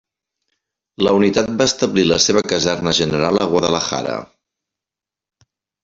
La unitat va establir la seva caserna general a Guadalajara.